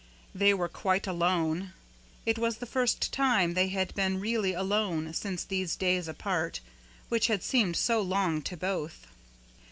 They were quite alone. It was the first time they had been really alone since these days apart, which had seemed so long to both.